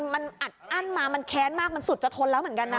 มันอัดอั้นมามันแค้นมากมันสุดจะทนแล้วเหมือนกันนะ